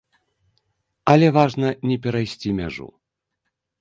Але важна не перайсці мяжу.